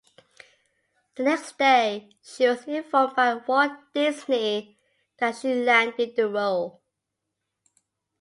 The next day, she was informed by Walt Disney that she landed the role.